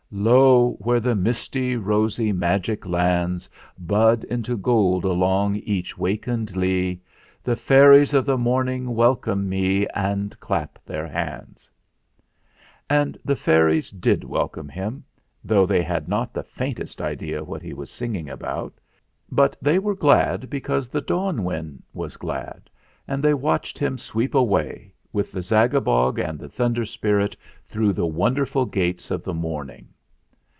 "Lo ! where the misty, rosy magic lands Bud into gold along each wakened lea, The Fairies of the Morning welcome me And clap their hands!" And the fairies did welcome him, though they had not the faintest idea what he was singing about ; but they were glad because the Dawn Wind was glad, and they watched him sweep away, with the Zagabog and the Thunder Spirit, through the wonderful Gates of the Morning.